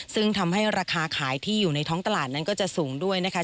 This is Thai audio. ซึ่งทำให้ราคาขายที่อยู่ในท้องตลาดนั้นก็จะสูงด้วยนะคะ